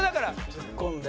ツッコんで。